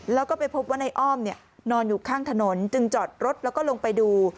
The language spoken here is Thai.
แล้วก็ไปพบว่าในอ้อมนอนอยู่ข้างถนนจึงจอดรถแล้วก็ลงไปดู